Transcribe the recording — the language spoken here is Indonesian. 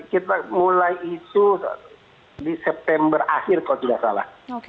kita mulai itu di september akhir kalau tidak salah